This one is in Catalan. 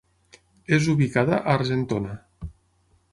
És ubicada a Argentona.